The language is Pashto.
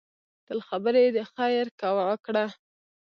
تل خبرې د خیر وکړه